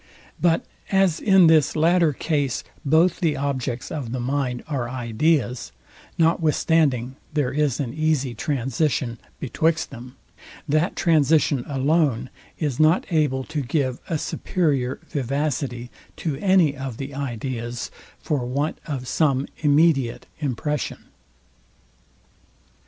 But as in this latter case, both the objects of the mind are ideas; notwithstanding there is an easy transition betwixt them; that transition alone is not able to give a superior vivacity to any of the ideas, for want of some immediate impression.